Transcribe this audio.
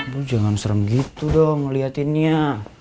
bu jangan serem gitu dong ngeliatinnya